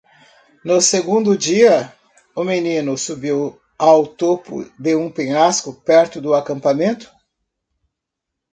No segundo dia?, o menino subiu ao topo de um penhasco perto do acampamento.